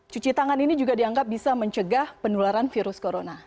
cuci tangan ini juga dianggap bisa mencegah penularan virus corona